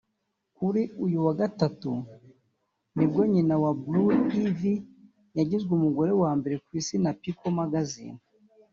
Kuri uyu wa gatatu nibwo nyina wa Blue Ivy yagizwe umugore wa mbere ku isi na People Magazine